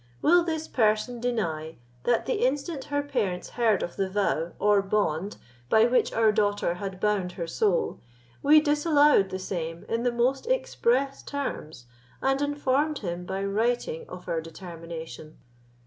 Will this person deny, that the instant her parents heard of the vow, or bond, by which our daughter had bound her soul, we disallowed the same in the most express terms, and informed him by writing of our determination?"